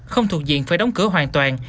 không thuộc diện phải đóng cửa hoàn toàn